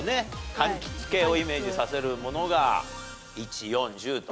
柑橘系をイメージさせるものが１４１０と。